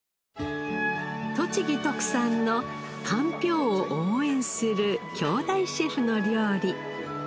栃木特産のかんぴょうを応援する兄弟シェフの料理。